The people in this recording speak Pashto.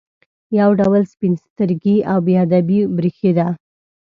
یو ډول سپین سترګي او بې ادبي برېښېده.